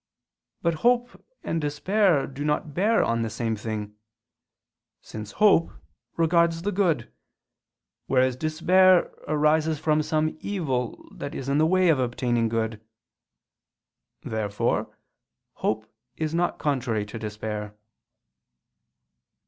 But hope and despair do not bear on the same thing: since hope regards the good, whereas despair arises from some evil that is in the way of obtaining good. Therefore hope is not contrary to despair.